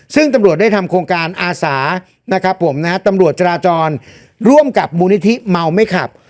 ซึ่งตำรวจได้ทำโครงการอาสานะครับผมนะฮะตำรวจจราจรร่วมกับมูลนิธิเมาไม่ขับ